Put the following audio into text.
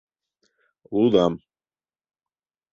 — Лудам.